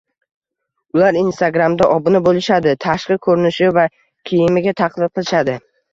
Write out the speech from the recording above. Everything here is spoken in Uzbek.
Ular Instagramda obuna bo'lishadi, tashqi ko'rinishi va kiyimiga taqlid qilishadi